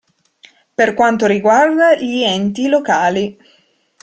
Per quanto riguarda gli enti locali.